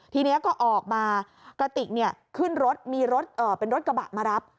ทีนี้ก็ออกมากระติกขึ้นรถมีรถเป็นรถกระบะมารับ